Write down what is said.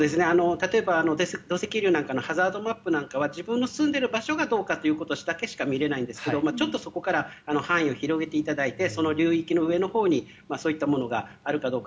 例えば、土石流なんかのハザードマップは自分の住んでいる場所がどうかということだけしか見れないんですがちょっとそこから範囲を広げていただいてその流域の上のほうにそういったものがあるかどうか。